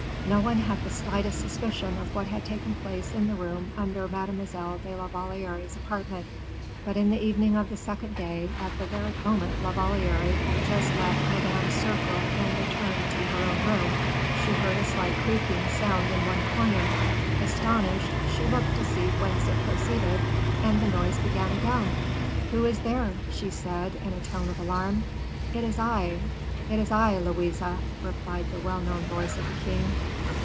No one had the slightest suspicion of what had taken place in the room under Mademoiselle de la Valliere's apartment. But in the evening of the second day, at the very moment La Valliere had just left Madame's circle and returned to her own room, she heard a slight creaking sound in one corner. Astonished, she looked to see whence it proceeded, and the noise began again. "Who is there?" she said, in a tone of alarm. "It is I, Louise," replied the well known voice of the king.